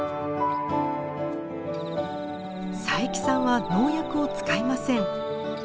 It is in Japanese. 佐伯さんは農薬を使いません。